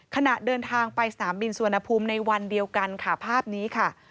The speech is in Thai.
ขณะเดินทางไปสนามบินสุวรรณภูมิในวันเดียวกันค่ะภาพนี้ค่ะ